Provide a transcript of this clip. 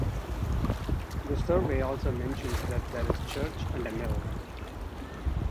The survey also mentions that there is church and a mill.